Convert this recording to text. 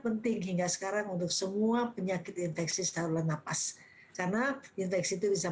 penting hingga sekarang untuk semua penyakit infeksi saluran nafas karena infeksi itu bisa